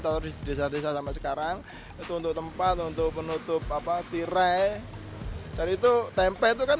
terima kasih desa desa sampai sekarang itu untuk tempat untuk penutup apa tirai dan itu tempe itu kan